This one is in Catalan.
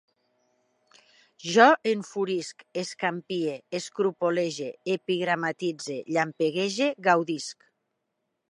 Jo enfurisc, escampie, escrupolege, epigramatitze, llampeguege, gaudisc